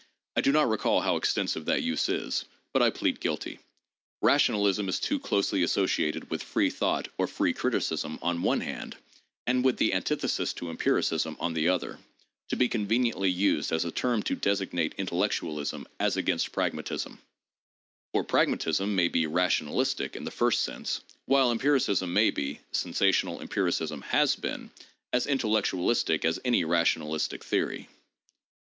I do not recall how extensive that use is, but I plead guilty. Rationalism is too closely associated with " free thought," or free criticism, on one hand, and with the antithesis to empiricism on the other, to be conveniently used as a term to designate intellectualism as against prag matism: — for pragmatism may be "rationalistic" in the first sense, while empiricism may be — sensational empiricism has been — as intellectualistic as any rationalistic theory.